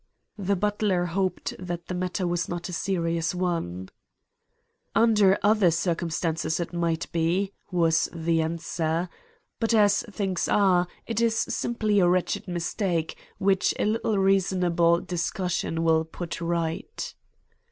"The butler hoped that the matter was not a serious one. "'Under other circumstances it might be,' was the answer, 'but as things are, it is simply a wretched mistake, which a little reasonable discussion will put right.'